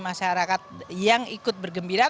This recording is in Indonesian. masyarakat yang ikut bergembira